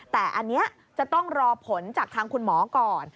แต่อันนี้จะต้องรอผลจากทางคุณหมอก่อน